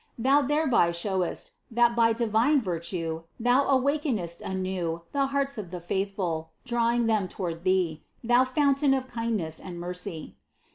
Thou thereby showest, that by divine virtue Thou awakenest anew the hearts of the faithful, drawing* them toward Thee, Thou fountain of kindness and mercy.